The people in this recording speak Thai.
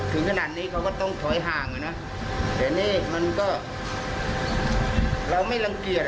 ถึงขนาดนี้เขาก็ต้องถอยห่างอ่ะนะแต่นี่มันก็เราไม่รังเกียจ